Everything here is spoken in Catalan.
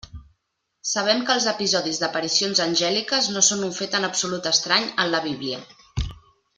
Sabem que els episodis d'aparicions angèliques no són un fet en absolut estrany en la Bíblia.